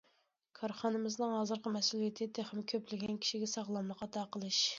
كارخانىمىزنىڭ ھازىرقى مەسئۇلىيىتى تېخىمۇ كۆپلىگەن كىشىگە ساغلاملىق ئاتا قىلىش.